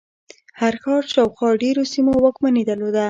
هر ښار شاوخوا ډېرو سیمو واکمني درلوده.